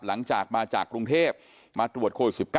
หลังจากมาจากกรุงเทพมาตรวจโควิด๑๙